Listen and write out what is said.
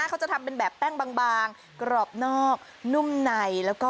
เขาจะทำเป็นแบบแป้งแบงบางกรอบนอกนุ่มใน